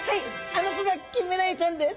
あの子がキンメダイちゃんです。